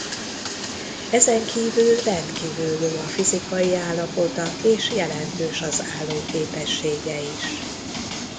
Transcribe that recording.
Ezenkívül rendkívül jó a fizikai állapota és jelentős az állóképessége is.